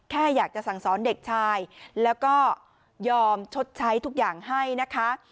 แค่อยากจะสั่งสอนเด็กชายแล้วก็ยอมชดใช้ทุกอย่างให้นะคะ